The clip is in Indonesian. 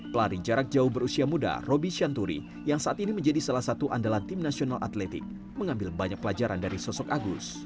pelari jarak jauh berusia muda roby shanturi yang saat ini menjadi salah satu andalan tim nasional atletik mengambil banyak pelajaran dari sosok agus